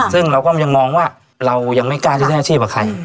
ซึ่งเราก็ยังมองว่าเรายังไม่กล้าที่ได้อาชีพกับใคร